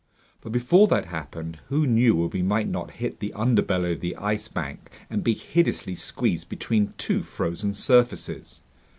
But before that happened, who knew if we might not hit the underbelly of the Ice Bank and be hideously squeezed between two frozen surfaces?